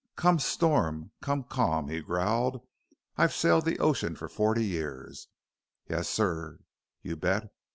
"Come storm, come calm," he growled, "I've sailed the ocean for forty years. Yes, sir, you bet.